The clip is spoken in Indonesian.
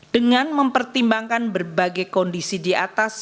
dengan mempertimbangkan berbagai kondisi di atas